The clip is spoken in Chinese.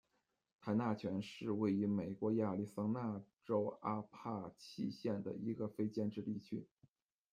坦纳泉是位于美国亚利桑那州阿帕契县的一个非建制地区。